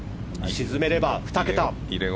沈めれば２桁。